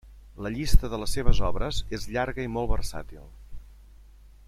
La llista de les seves obres és llarga i molt versàtil.